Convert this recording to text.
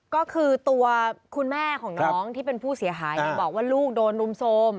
ก็คือตัวคุณแม่ของน้องที่เป็นผู้เสียหายบอกว่าลูกโดนรุมโทรม